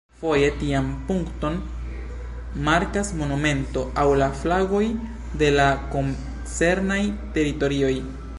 Foje tian punkton markas monumento aŭ la flagoj de la koncernaj teritorioj.